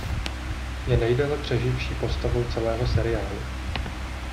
Je nejdéle přeživší postavou celého seriálu.